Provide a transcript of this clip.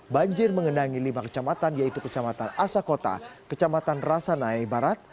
banjir mengenangi lima kecamatan yaitu kecamatan asakota kecamatan rasanayai barat